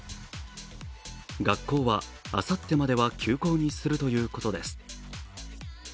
学校は、あさってまでは休校にするということです。